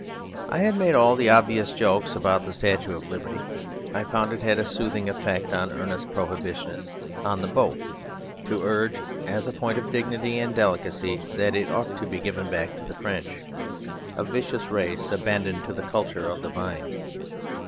I had made all the obvious jokes about the statue of Liberty. I found it had a soothing effect on earnest Prohibitionists on the boat to urge, as a point of dignity and delicacy, that it ought to be given back to the French, a vicious race abandoned to the culture of the vine.